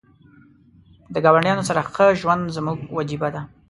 د ګاونډیانو سره ښه ژوند زموږ وجیبه ده .